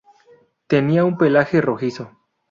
Tenía un pelaje rojizo.